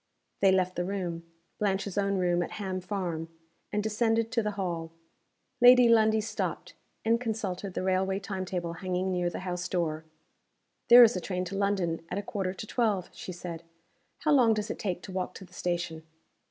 They left the room Blanche's own room at Ham Farm and descended to the hall. Lady Lundie stopped, and consulted the railway time table hanging near the house door. "There is a train to London at a quarter to twelve," she said. "How long does it take to walk to the station?"